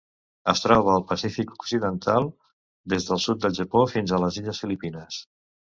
Es troba al Pacífic occidental: des del sud del Japó fins a les illes Filipines.